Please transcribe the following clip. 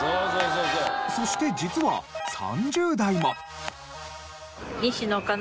そして実は３０代も。